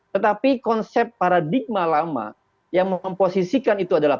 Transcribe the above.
tetapi konsep paradigma lama yang memposisikan itu adalah